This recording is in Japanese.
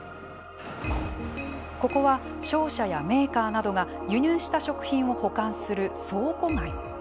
ここは商社やメーカーなどが輸入した食品を保管する倉庫街。